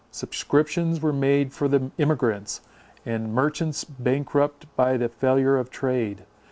Subscriptions were made for the emigrants, and merchants bankrupt by the failure of trade.